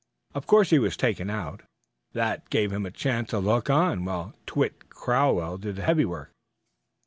Of course he was taken out, and that gave him a chance to look on while Twitt Crowell did the heavy work."